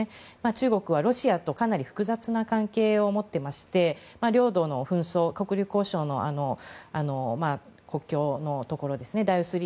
中国はロシアとかなり複雑な関係を持っていまして領土の紛争黒竜江省の国境のところですね。